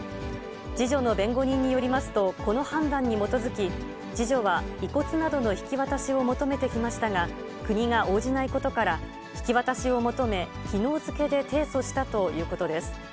次女の弁護人によりますと、この判断に基づき、次女は遺骨などの引き渡しを求めてきましたが、国が応じないことから、引き渡しを求め、きのう付けで提訴したということです。